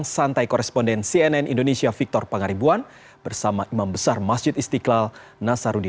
bapak sebagai imam besar limasid istiqlal ya